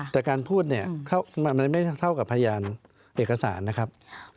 แต่การพูดเนี่ยมันไม่เท่ากับพยานเอกสารนะครับ